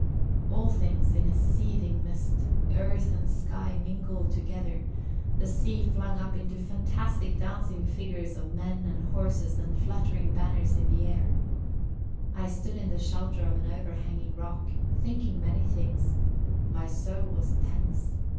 All things in a seething mist. Earth and sky mingled together, the sea flung up into fantastic dancing figures of men and horses and fluttering banners on the air. I stood in the shelter of an overhanging rock, thinking many things; my soul was tense.